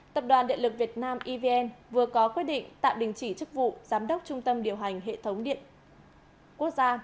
tập đoàn điện lực việt nam evn vừa có quyết định tạm đình chỉ chức vụ giám đốc trung tâm điều hành hệ thống điện quốc gia